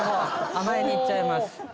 甘えに行っちゃいます。